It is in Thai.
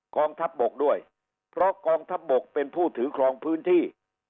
กองทัพบกด้วยเพราะกองทัพบกเป็นผู้ถือครองพื้นที่